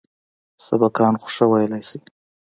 سبقان خو ښه ويلى سئ.